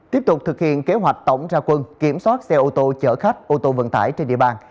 tiếp tục thực hiện kế hoạch tổng ra quân kiểm soát xe ô tô chở khách ô tô vận tải trên địa bàn